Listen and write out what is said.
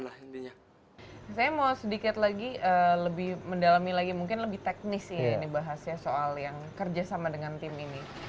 saya mau sedikit lagi lebih mendalami lagi mungkin lebih teknis ini bahasnya soal yang kerja sama dengan tim ini